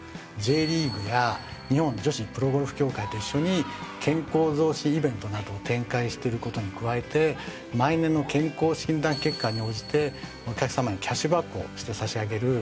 Ｊリーグや日本女子プロゴルフ協会と一緒に健康増進イベントなどを展開してることに加えて毎年の健康診断結果に応じてお客さまにキャッシュバックをして差し上げる